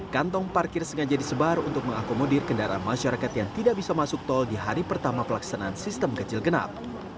kantong parkir sengaja disebar untuk mengakomodir kendaraan masyarakat yang tidak bisa masuk tol di hari pertama pelaksanaan sistem ganjil genap